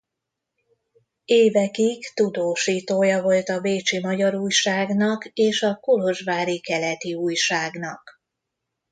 Évekig tudósítója volt a Bécsi Magyar Újságnak és a Kolozsvári Keleti Újságnak.